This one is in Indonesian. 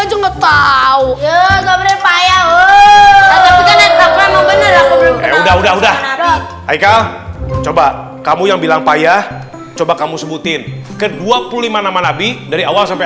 aja nggak tahu udah udah eka coba kamu yang bilang payah coba kamu sebutin ke dua puluh lima nama nabi dari awal sampai